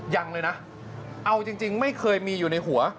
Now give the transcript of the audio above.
ยังเลยนะเอาจริงไม่เคยมีอยู่ในหัว